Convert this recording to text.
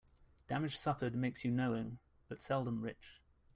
Damage suffered makes you knowing, but seldom rich.